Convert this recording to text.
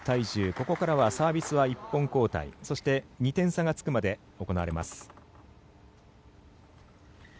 ここからはサービスは１本交代そして２点差がつくまで行われます。